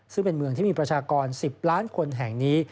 ซึ่งเป็นเมืองที่มีประชากร๑๐ล้านคนแห่งนี้